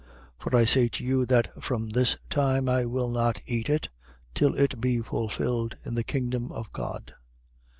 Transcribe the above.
22:16. For I say to you that from this time I will not eat it, till it be fulfilled in the kingdom of God.